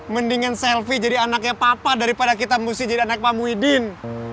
mendingan selfie jadi anaknya papa daripada kita mesti jadi anak pak muhyiddin